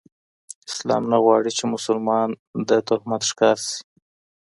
اسلام نه غواړي، چي مسلمان د تهمت ښکار سي؛